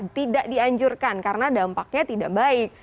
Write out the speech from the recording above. tidak dianjurkan karena dampaknya tidak baik